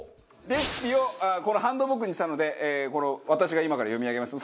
レシピをこのハンドブックにしたのでこれを私が今から読み上げます。